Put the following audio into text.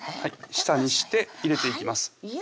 下にして入れていきますいや！